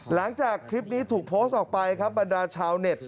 หลังจากคลิปนี้ถูกโพสต์ออกไปครับบรรดาชาวเน็ต